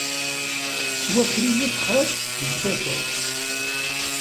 Tettwaker-iyi texriḍt deg usakal.